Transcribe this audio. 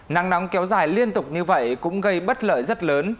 nắng nóng kéo dài liên tục như vậy cũng gây bất lợi rất lớn